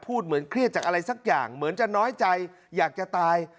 เหมือนเครียดจากอะไรสักอย่างเหมือนจะน้อยใจอยากจะตาย